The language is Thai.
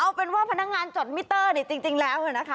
เอาเป็นว่าพนักงานจดมิเตอร์เนี่ยจริงแล้วนะคะ